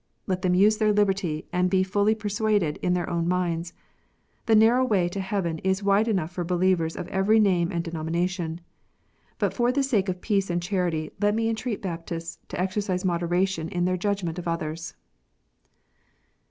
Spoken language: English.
Let them use their liberty and be fully persuaded in their own minds. The narrow way to heaven is wide enough for believers of every name and denomi nation. But for the sake of peace and charity, let me entreat Baptists to exercise moderation in their judgment of others.